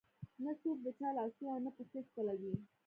نه څوک د چا لاسونه او نه پښې ښکلوي.